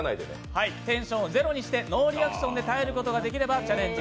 テンションをゼロにしてノーリアクションで耐えることができればチャレンジ